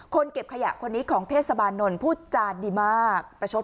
เก็บขยะคนนี้ของเทศบาลนนท์พูดจานดีมากประชด